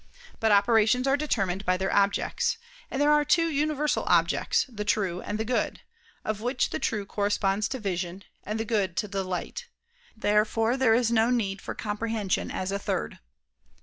But operations are determined by their objects: and there are two universal objects, the true and the good: of which the true corresponds to vision, and good to delight. Therefore there is no need for comprehension as a third.